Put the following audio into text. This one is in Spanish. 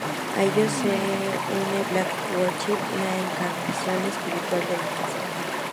A ellos se une Black Orchid, la encarnación espiritual de la Casa.